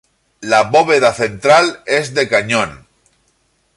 La bóveda central es de cañón.